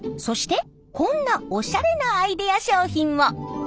そしてこんなおしゃれなアイデア商品も。